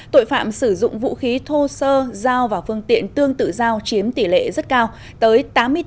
tội phạm sử dụng vũ khí thô sơ dao và phương tiện tương tự dao chiếm tỷ lệ rất cao tới tám mươi bốn